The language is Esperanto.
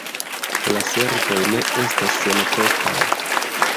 La servoj ne estas senkostaj.